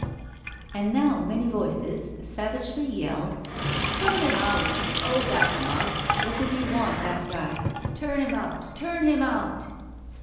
And now many voices savagely yelled: 'Turn him out. Oh, that mug! What does he want, that guy? Turn him out, turn him out.